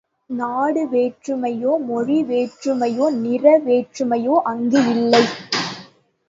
நாடு வேற்றுமையோ, மொழி வேற்றுமையோ, நிற வேற்றுமையோ அங்கு இல்லை.